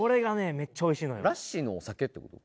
めっちゃおいしいのよラッシーのお酒ってこと？